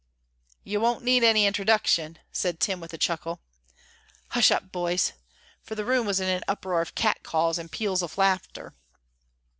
"You won't need any introduction," said Tim, with a chuckle. "Hush up, boys," for the room was in an uproar of cat calls and peals of laughter.